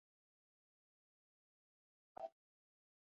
چي د دې كتاب له لارښوونو نه گټه واخلي.